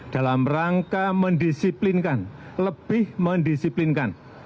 dalam rangka mendisiplinkan lebih mendisiplinkan